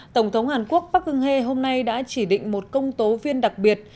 tổng thống hàn quốc park geun hye hôm nay đã chỉ định một công tố viên đặc biệt